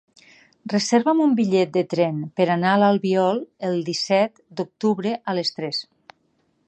Reserva'm un bitllet de tren per anar a l'Albiol el disset d'octubre a les tres.